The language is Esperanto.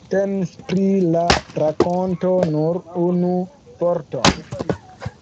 Temis pri la rakonto Nur unu vorton!